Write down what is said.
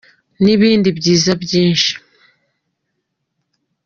n’ibindi byiza byinshi.